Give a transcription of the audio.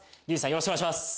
よろしくお願いします